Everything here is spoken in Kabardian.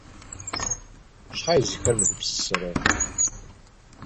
Щхьэ езыхэр мыгупсысэрэ?!